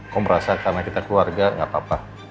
kom rasa karena kita keluarga gapapa